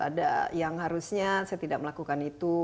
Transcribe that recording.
ada yang harusnya saya tidak melakukan itu